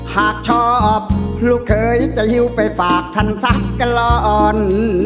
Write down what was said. หากชอบลูกเคยจะหิวไปฝากท่านสักกะลอน